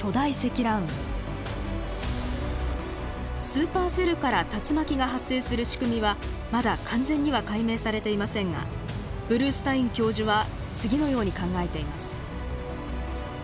スーパーセルから竜巻が発生する仕組みはまだ完全には解明されていませんがブルースタイン教授は次のように考えています。